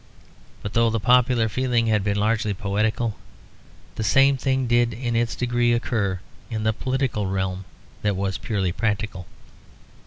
But though the popular feeling had been largely poetical, the same thing did in its degree occur in the political realm that was purely practical.